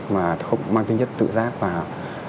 mà không mang tính nhất tự giác vào